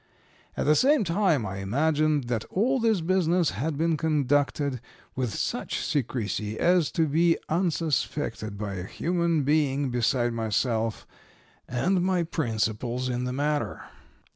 At the same time I imagined that all this business had been conducted with such secrecy as to be unsuspected by a human being beside myself and my principals in the matter.